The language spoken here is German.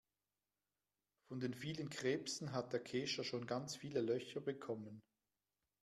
Von den vielen Krebsen hat der Kescher schon ganz viele Löcher bekommen.